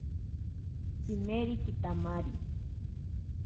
Tsimeri kitamari.